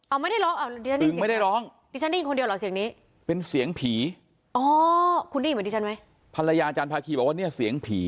อ้าวไม่ได้ร้องอ่าวดิฉันได้ยินเสียง